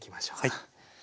はい。